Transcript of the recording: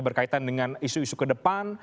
berkaitan dengan isu isu kedepan